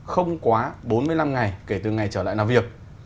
không quá bốn mươi năm ngày kể từ ngày trở lại làm việc